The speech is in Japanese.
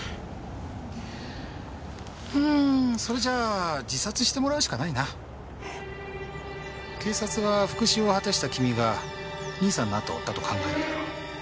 うーんそれじゃあ自殺してもらうしかないな。警察は復讐を果たした君が兄さんの後を追ったと考えるだろう。